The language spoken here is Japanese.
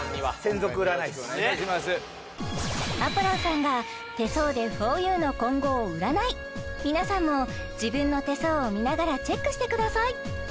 アポロンさんが手相でふぉゆの今後を占い皆さんも自分の手相を見ながらチェックしてください